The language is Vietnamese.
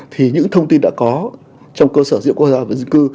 thì những thông tin đã có trong cơ sở dịch vụ quốc gia và dân cư